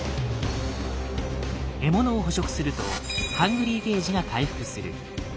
獲物を捕食すると「ＨＵＮＧＲＹ」ゲージが回復する。